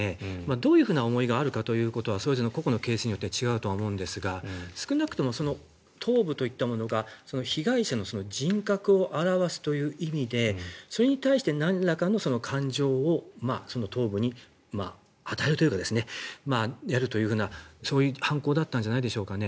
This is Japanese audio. どういう思いがあるかということはそれぞれの個々のケースによって違うかと思うんですが少なくとも頭部といったものが被害者の人格を表すという意味でそれに対してなんらかの感情を頭部に与えるというかやるという犯行だったんじゃないでしょうか。